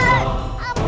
gak ada apa apa